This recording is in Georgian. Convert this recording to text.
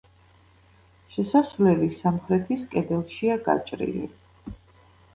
შესასვლელი სამხრეთის კედელშია გაჭრილი.